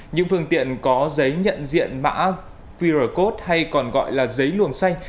những phương tiện có giấy nhận diện mã qr code hay còn gọi là giấy luồng xanh